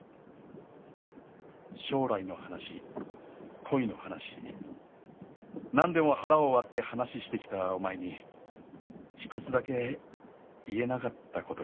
「将来の話恋の話何でも腹を割って話してきたお前に一つだけ言えなかったことがある」